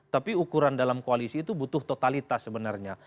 tapi ukuran dalam koalisi itu butuh totalitas sebenarnya